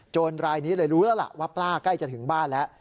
รายนี้เลยรู้แล้วล่ะว่าป้าใกล้จะถึงบ้านแล้ว